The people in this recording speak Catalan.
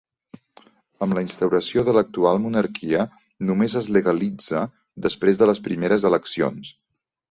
Amb la instauració de l'actual monarquia, només es legalitza després de les primeres eleccions.